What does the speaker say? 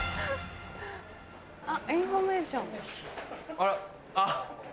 あら？あっ。